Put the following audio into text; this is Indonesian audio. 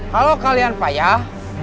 kalau kalian payah